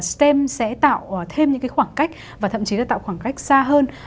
stem sẽ tạo thêm những khoảng cách và thậm chí là tạo khoảng cách xa hơn